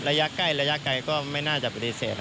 ระยะใกล้ก็ไม่น่าจะปฏิเสธ